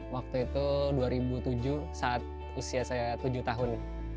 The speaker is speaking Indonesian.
waktu itu dua ribu tujuh saat usia saya tujuh tahun